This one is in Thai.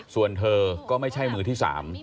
ส่วนเธอก็ไม่ใช่มือที่๓